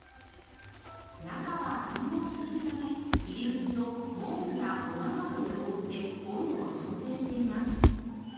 中は暖房しているため入り口を毛布やござなどで覆って温度を調整しています。